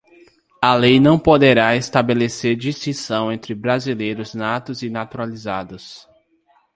A lei não poderá estabelecer distinção entre brasileiros natos e naturalizados